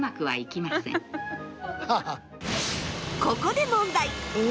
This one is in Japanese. ここで問題！